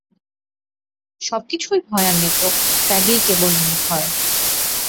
সব কিছুই ভয়ান্বিত, ত্যাগই কেবল নির্ভয়।